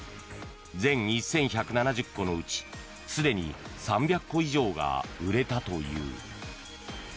全１１７０戸のうちすでに３００戸以上が売れたという。